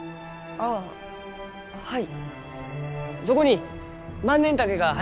ああはい。